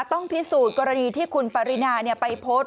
ต้องพิสูจน์กรณีที่คุณปรินาไปโพสต์